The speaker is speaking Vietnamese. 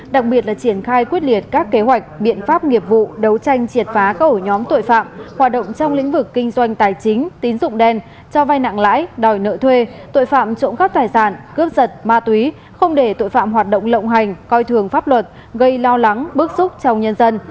đặc biệt là triển khai quyết liệt các kế hoạch biện pháp nghiệp vụ đấu tranh triệt phá các ổ nhóm tội phạm hoạt động trong lĩnh vực kinh doanh tài chính tín dụng đen cho vai nặng lãi đòi nợ thuê tội phạm trộm cắp tài sản cướp giật ma túy không để tội phạm hoạt động lộng hành coi thường pháp luật gây lo lắng bức xúc trong nhân dân